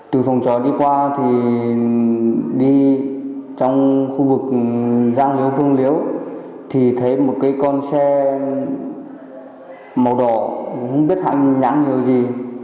từ phòng trò đi qua thì đi trong khu vực giang liễu phương liễu thì thấy một cái con xe màu đỏ không biết hạnh nhắn nhiều gì